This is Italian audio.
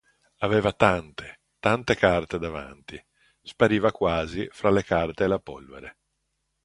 Aveva tante, tante carte davanti; spariva quasi fra le carte e la polvere.